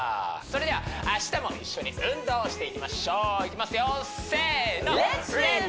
それでは明日も一緒に運動していきましょういきますよせーのレッツ！